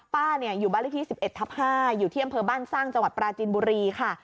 ป้าอยู่บ้านเลขที่๑๑ทับ๕อยู่ที่อำเภอบ้านสร้างจังหวัดปราจินบุรีค่ะ